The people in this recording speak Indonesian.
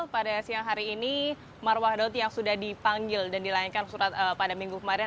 pada siang hari ini marwah daud yang sudah dipanggil dan dilainkan surat pada minggu kemarin